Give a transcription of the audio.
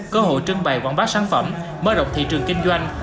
cơ hội trưng bày quảng bá sản phẩm mở rộng thị trường kinh doanh